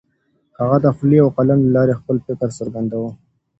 هغه د خولې او قلم له لارې خپل فکر څرګنداوه.